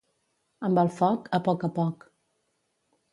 Amb el foc, a poc a poc.